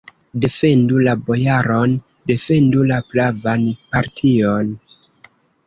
Defendu la bojaron, defendu la pravan partion!